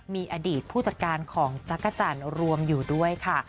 มีอดีตผู้จัดการของจักรจันทร์รวมอยู่ด้วยค่ะ